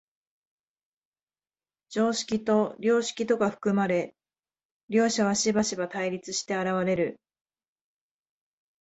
常識と良識とが含まれ、両者はしばしば対立して現れる。